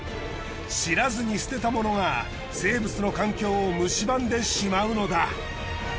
知らずに捨てたものが生物の環境をむしばんでしまうのだ。